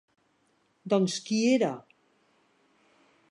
Doncs qui era?